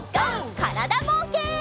からだぼうけん。